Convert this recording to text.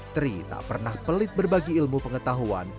tri tak pernah pelit berbagi ilmu pengetahuan